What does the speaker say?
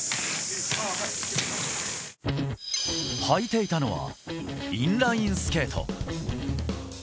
履いていたのは、インラインスケート。